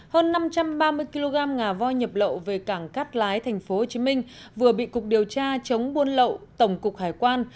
hơn năm trăm ba mươi kg ngà voi nhập lậu về cảng cát lái tp hcm vừa bị cục điều tra chống buôn lậu tổng cục hải quan